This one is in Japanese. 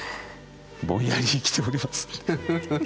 ぼんやり生きております。